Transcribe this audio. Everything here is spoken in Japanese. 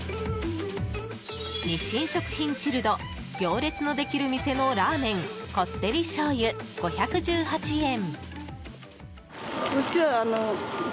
日清食品チルド行列のできる店のラーメンこってり醤油、５１８円。